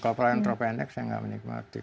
kalau pelayaran tropenek saya tidak menikmati